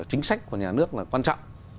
chính sách của nhà nước là quan trọng